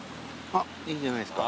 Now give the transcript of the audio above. いいんじゃないですか？